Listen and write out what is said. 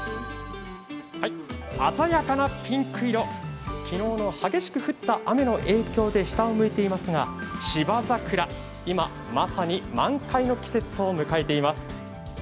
鮮やかなピンク色昨日の激しく降った雨の影響で下を向いていますが、芝桜、いま、まさに満開の季節を迎えています。